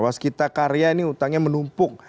waskita karya ini utangnya menumpuk